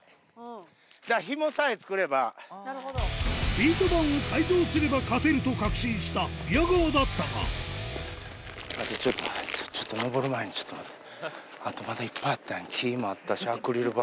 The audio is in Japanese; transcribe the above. ビート板を改造すれば勝てると確信した宮川だったがちょっと待って上る前にちょっと待って。